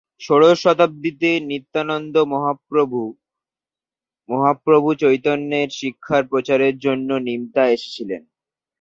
ষোড়শ শতাব্দীতে, নিত্যানন্দ মহাপ্রভু মহাপ্রভু চৈতন্যের শিক্ষার প্রচারের জন্য নিমতায় এসেছিলেন।